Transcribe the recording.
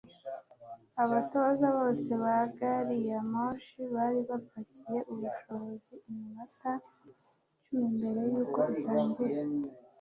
Abatoza bose ba gari ya moshi bari bapakiye ubushobozi iminota icumi mbere yuko itangira